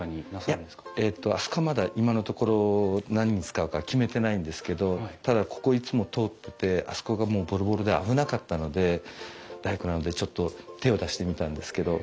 いやあそこはまだ今のところ何に使うか決めてないんですけどただここいつも通っててあそこがもうボロボロで危なかったので大工なのでちょっと手を出してみたんですけどはい。